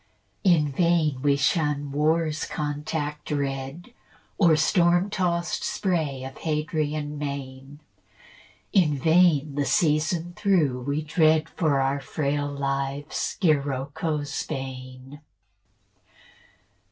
In vain we shun war's contact red Or storm tost spray of Hadrian main: In vain, the season through, we dread For our frail lives Scirocco's bane.